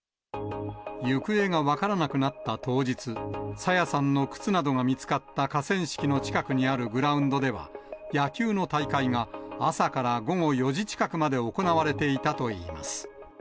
行方が分からなくなった当日、朝芽さんの靴などが見つかった河川敷の近くにあるグラウンドでは、野球の大会が朝から午後４時近くまで行われていたといいます。